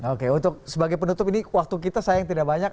oke untuk sebagai penutup ini waktu kita sayang tidak banyak